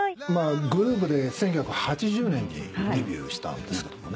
グループで１９８０年にデビューしたんですけどもね。